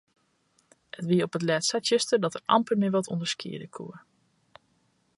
It wie op 't lêst sa tsjuster dat er amper mear wat ûnderskiede koe.